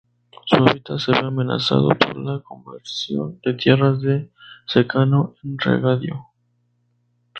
Su hábitat se ve amenazado por la conversión de tierras de secano en regadío.